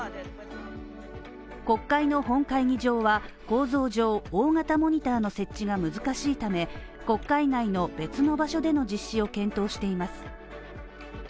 国会の本会議場は構造上大型モニターの設置が難しいため国会内の別の場所での実施を検討しています。